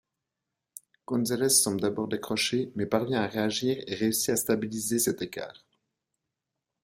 González semble d'abord décroché, mais parvient à réagir et réussit à stabiliser cet écart.